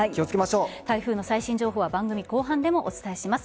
台風の最新情報は番組後半でもお伝えします。